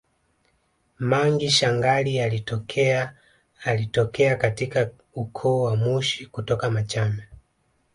Mangi shangali alitokea alitokea katika ukoo wa Mushi kutoka Machame